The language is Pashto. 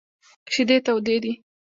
شیدې تودې دي !